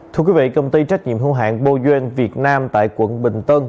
thưa quý vị công ty trách nhiệm hương hạn puyen việt nam tại quận bình tân